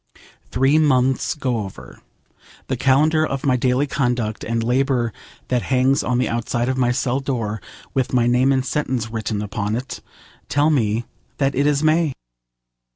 ... Three months go over. The calendar of my daily conduct and labour that hangs on the outside of my cell door, with my name and sentence written upon it, tells me that it is May.